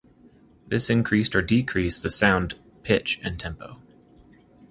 This increased or decreased the sound pitch and tempo.